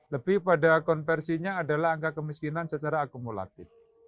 lebih pada konversinya adalah angka kemiskinan secara akumulatif